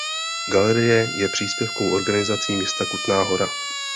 Galerie je příspěvkovou organizací města Kutná Hora.